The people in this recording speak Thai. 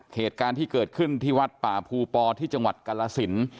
เหตุการณ์ที่เกิดขึ้นที่วัดป่าภูปอที่จังหวัดกรสิน